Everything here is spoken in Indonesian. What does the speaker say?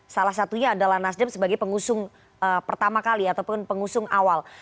salah satunya adalah nasdem sebagai pengusung pertama kali ataupun pengusung awal